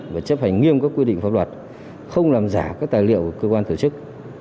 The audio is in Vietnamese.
và chấp hành nghiêm các quy định pháp luật không làm giả các tài liệu của cơ quan tổ chức